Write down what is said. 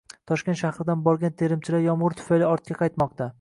Toshkent shahridan borgan terimchilar yomgʻir tufayli ortga qaytmoqda...